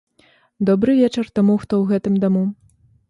Добры вечар таму, хто ў гэтым даму!